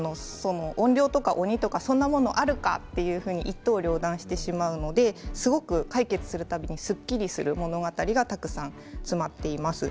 怨霊とか鬼とかそんなものがあるかと一刀両断してしまうので解決するたびにすっきりする物語がたくさん詰まっています。